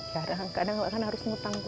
jarang kadang kadang harus mengetahui aku